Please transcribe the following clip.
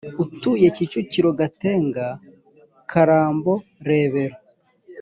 utuye kicukiro gatenga karambo rebero